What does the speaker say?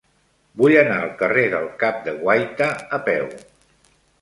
Vull anar al carrer del Cap de Guaita a peu.